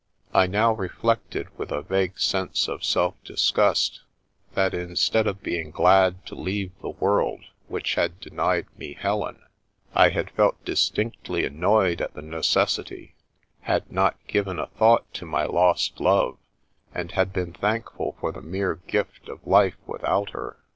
I now reflected, with a vague sense of sdf disgust, that, instead of being glad to leave the world which had denied me Helen, I had felt distinctly annoyed at the necessity, had not given a thought to my lost love, and had been thankful for the mere gift of life without her.